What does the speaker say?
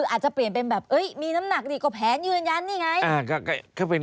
อาจจะเปลี่ยนเป็นแบบมีน้ำหนักดีกว่าแผนยืนยันนี่ไง